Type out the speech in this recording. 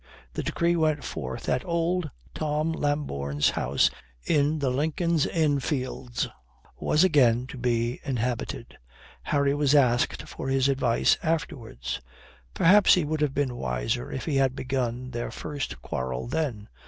The decree went forth that old Tom Lambourne's house in the Lincoln's Inn Fields was again to be inhabited. Harry was asked for his advice afterwards. Perhaps he would have been wiser if he had begun their first quarrel then.